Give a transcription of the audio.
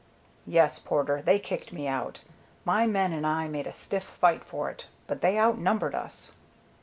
"Yes, Porter, they kicked me out. My men and I made a stiff fight for it, but they outnumbered us."